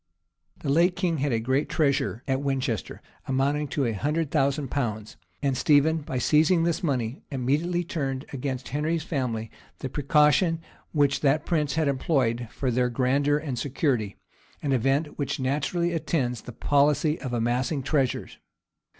[] The late king had a great treasure at Winchester, amounting to a hundred thousand pounds; and Stephen, by seizing this money, immediately turned against Henry's family the precaution which that prince had employed for their grandeur and security; an event which naturally attends the policy of amassing treasures.